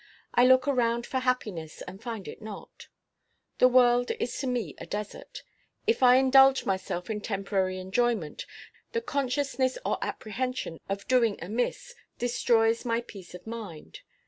I look around for happiness, and find it not. The world is to me a desert. If I indulge myself in temporary enjoyment, the consciousness or apprehension of doing amiss destroys my peace of mind.